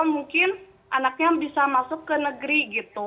mungkin anaknya bisa masuk ke negeri gitu